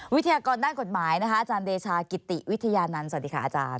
วิทยากรด้านกฎหมายนะคะอาจารย์เดชากิติวิทยานันต์สวัสดีค่ะอาจารย์